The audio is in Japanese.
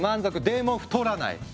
でも太らない！